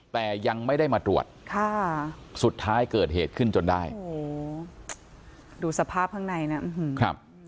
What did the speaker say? แต่ยังไม่ได้มาตรวจค่ะสุดท้ายเกิดเหตุขึ้นจนได้โอ้โหดูสภาพข้างในนะครับ